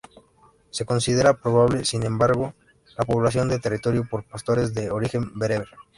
Se considera probable sin embargo la población del territorio por pastores de origen bereber.